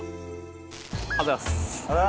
おはようございます。